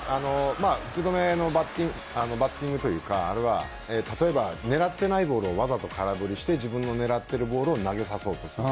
福留のバッティングは例えば、狙っていないボールをわざと空振りして自分の狙ってるボールを投げさせようとする。